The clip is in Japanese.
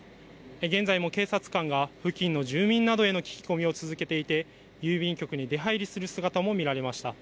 現在も警察官が付近の住民などへの聞き込みを続けていて、郵便局に出はいりする姿も見られました。